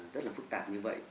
rất là phức tạp như vậy